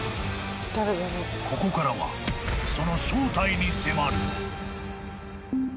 ［ここからはその正体に迫る］